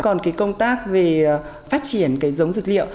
còn cái công tác về phát triển cái giống dược liệu